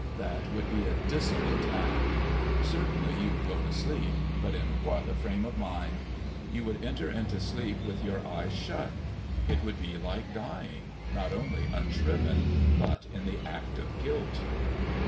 That would be a dissolute act. Certainly you would go to sleep; but in what a frame of mind! You would enter into sleep with your eyes shut. It would be like dying, not only unshriven, but in the act of guilt.